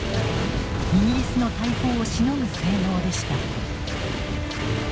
イギリスの大砲をしのぐ性能でした。